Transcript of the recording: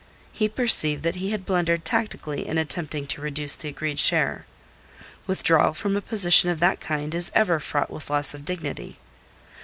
He perceived that he had blundered tactically in attempting to reduce the agreed share. Withdrawal from a position of that kind is ever fraught with loss of dignity.